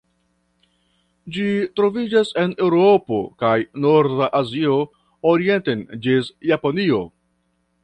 Ĝi troviĝas en Eŭropo kaj norda Azio orienten ĝis Japanio.